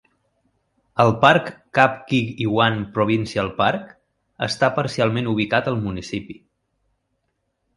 El parc Kap-Kig-Iwan Provincial Park està parcialment ubicat al municipi.